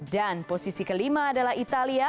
dan posisi kelima adalah italia